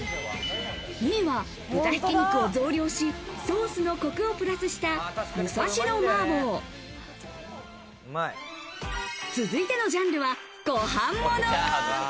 ２位は豚挽き肉を増量し、ソースのコクをプラスした武蔵野麻婆。続いてのジャンルはご飯もの。